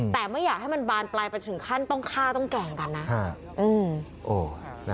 แต่ไม่อยากให้มันบานปลายไปถึงขั้นต้องฆ่าต้องแก่งกันนะ